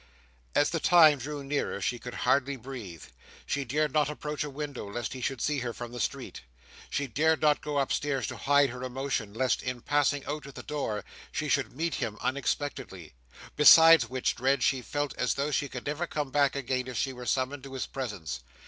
As the time drew nearer, she could hardly breathe. She dared not approach a window, lest he should see her from the street. She dared not go upstairs to hide her emotion, lest, in passing out at the door, she should meet him unexpectedly; besides which dread, she felt as though she never could come back again if she were summoned to his presence.